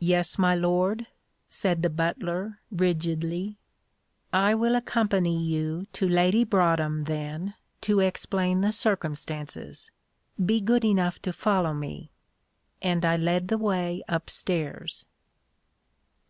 "Yes, my lord," said the butler, rigidly. "I will accompany you to Lady Broadhem, then, to explain the circumstances. Be good enough to follow me," and I led the way up stairs.